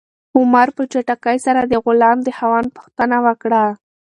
عمر په چټکۍ سره د غلام د خاوند پوښتنه وکړه.